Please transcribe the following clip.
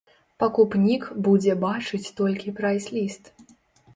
Пакупнік будзе бачыць толькі прайс-ліст.